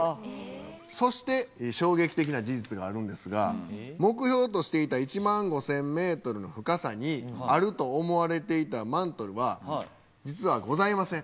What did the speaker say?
そして衝撃的な事実があるんですが目標としていた１万５，０００ｍの深さにあると思われていたマントルは実はございません。